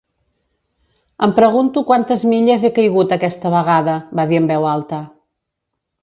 "Em pregunto quantes milles he caigut aquesta vegada", va dir en veu alta.